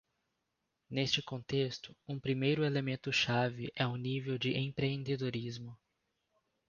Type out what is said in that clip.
Neste contexto, um primeiro elemento chave é o nível de empreendedorismo.